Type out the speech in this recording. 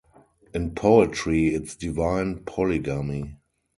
In poetry it's divine polygamy.